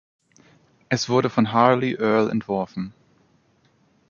Es wurde von Harley Earl entworfen.